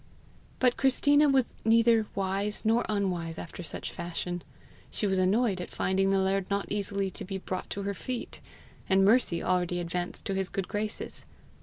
But Christina was neither wise nor unwise after such fashion. She was annoyed at finding the laird not easily to be brought to her feet, and Mercy already advanced to his good graces.